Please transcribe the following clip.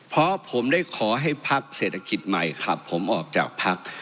เพราะผมได้ขอให้พักเศรษฐกิจใหม่ขับผมออกจากพัก